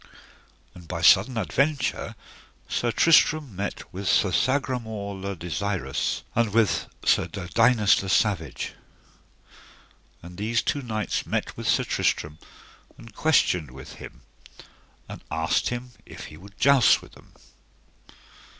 And by sudden adventure Sir Tristram met with Sir Sagramore le Desirous, and with Sir Dodinas le Savage. And these two knights met with Sir Tristram and questioned with him, and asked him if he would joust with them.